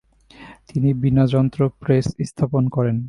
তিনি 'বীণাযন্ত্র' প্রেস স্থাপন করেন।